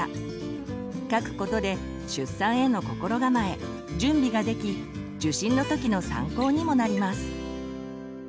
書くことで出産への心構え準備ができ受診の時の参考にもなります。